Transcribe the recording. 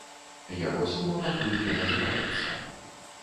Яго сума пакуль не называецца.